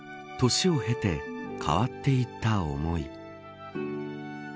年を経て変わっていった思い。